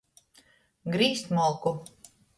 Grīzt molku.